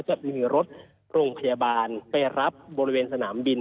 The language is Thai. จะมีรถโรงพยาบาลไปรับบริเวณสนามบิน